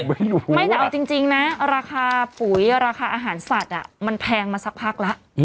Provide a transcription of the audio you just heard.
ไม่รู้ไม่แต่เอาจริงนะราคาปุ๋ยราคาอาหารสัตว์มันแพงมาสักพักแล้ว